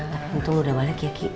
tapi itu udah balik ya ki